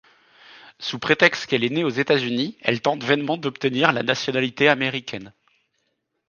Sous prétexte qu'elle est née aux États-Unis, elle tente vainement d’obtenir la nationalité américaine.